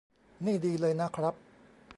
นี่ดีเลยนะครับ